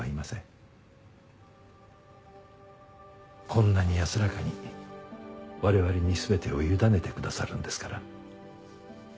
こんなに安らかに我々に全てを委ねてくださるんですから。